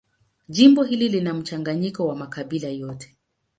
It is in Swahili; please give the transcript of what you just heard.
Jimbo hili lina mchanganyiko wa makabila yote.